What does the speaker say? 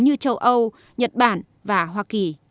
như châu âu nhật bản và hoa kỳ